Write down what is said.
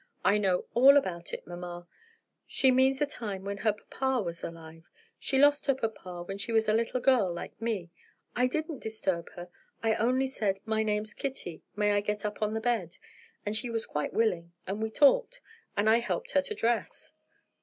"I know all about it, mamma. She means the time when her papa was alive. She lost her papa when she was a little girl like me. I didn't disturb her. I only said, 'My name's Kitty; may I get up on the bed?' And she was quite willing; and we talked. And I helped her to dress."